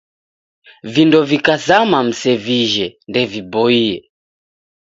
Vindo vikazama msevijhe, ndeviboie